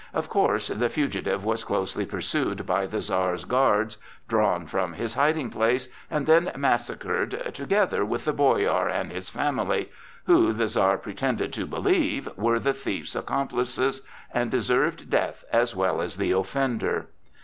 Of course, the fugitive was closely pursued by the Czar's guards, drawn from his hiding place, and then massacred together with the boyar and his family, who, the Czar pretended to believe, were the thief's accomplices and deserved death as well as the offender.